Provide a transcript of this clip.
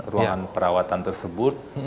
ruangan perawatan tersebut